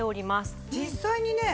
実際にね